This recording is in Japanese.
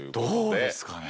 どうですかね？